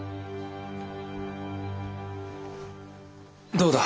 どうだ？